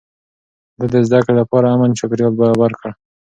ده د زده کړې لپاره امن چاپېريال برابر کړ.